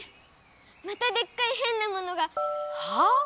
またでっかいへんなものが。はあ？